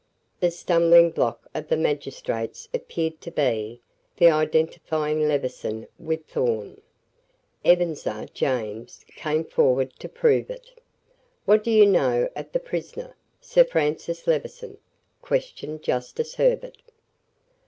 The stumbling block of the magistrates appeared to be the identifying Levison with Thorn. Ebenezer James came forward to prove it. "What do you know of the prisoner, Sir Francis Levison?" questioned Justice Herbert.